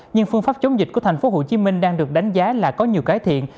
nhưng phương pháp chống dịch của thành phố hồ chí minh đang được đánh giá là có nhiều cải thiện